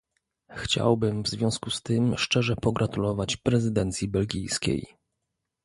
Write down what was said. Chciałbym w związku z tym szczerze pogratulować prezydencji belgijskiej